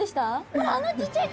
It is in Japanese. ほらあのちっちゃい子！